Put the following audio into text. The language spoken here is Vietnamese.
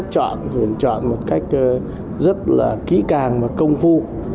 chúng tôi sẽ chọn một cách rất kỹ càng và công phu